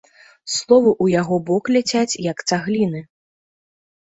Словы ў яго бок ляцяць як цагліны.